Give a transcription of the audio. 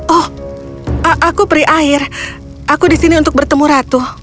oh aku peri air aku disini untuk bertemu ratu